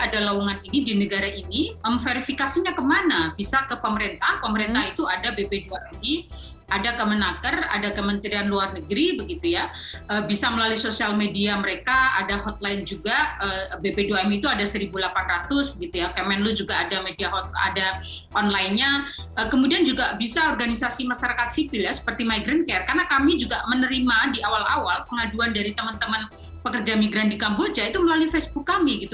ada lawangan ini di negara ini verifikasinya kemana bisa ke pemerintah pemerintah itu ada bp dua m ada kemenaker ada kementerian luar negeri begitu ya bisa melalui sosial media mereka ada hotline juga bp dua m itu ada seribu delapan ratus gitu ya kemenlu juga ada media hotline ada online nya kemudian juga bisa organisasi masyarakat sipil ya seperti migrant care karena kami juga menerima di awal awal pengaduan dari teman teman pekerja migran di kamboja itu melalui facebook kami gitu